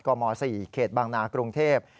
กม๔เขตบางนาศตร์กรุงเทพฯ